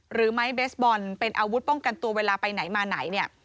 หรือไม้เบสบอลเป็นอาวุธป้องกันตัวเวลาไปไหนมาไหนเนี่ย